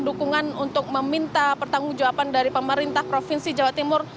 dukungan untuk meminta pertanggung jawaban dari pemerintah provinsi jawa timur